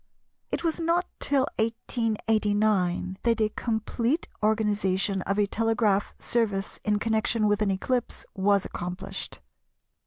It was not till 1889 that a complete organisation of a telegraph service in connection with an eclipse was accomplished.